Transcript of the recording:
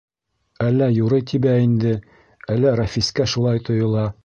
Әллә юрый тибә инде, әллә Рәфискә шулай тойола.